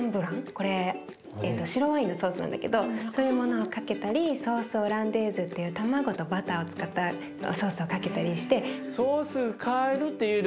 これ白ワインのソースなんだけどそういうものをかけたりソースオランデーズっていう卵とバターを使ったおソースをかけたりして。